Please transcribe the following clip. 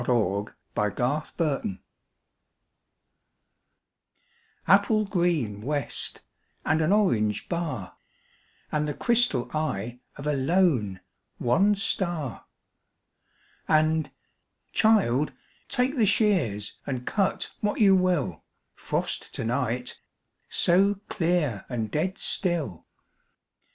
Thomas "Frost To Night" APPLE GREEN west and an orange bar, And the crystal eye of a lone, one star …And, "Child, take the shears and cut what you will, Frost to night—so clear and dead still."